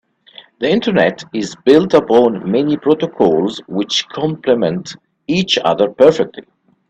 The internet is built upon many protocols which compliment each other perfectly.